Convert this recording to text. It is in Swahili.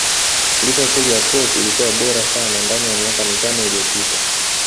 liverpool ya Kloop ilikuwa bora sana ndani ya miaka mitano iliyopita